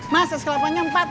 masa kelapanya empat